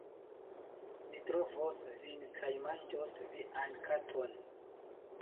Mi trovos vin kaj manĝos vian katon!